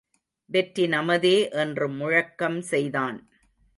வெற்றி நமதே என்று முழக்கம் செய்தான்.